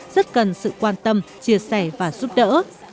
rất cần sự quan tâm chia sẻ và giúp đỡ